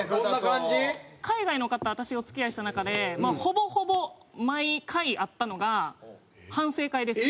海外の方私お付き合いした中でほぼほぼ毎回あったのが反省会です。